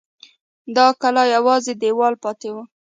د کلا یوازې دېوال پاته و.